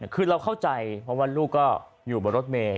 คือเราเข้าใจเพราะว่าลูกก็อยู่บนรถเมย์